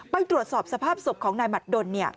ไปตรวจสอบสภาพศพของนายหมัดดน